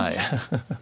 ハハハ。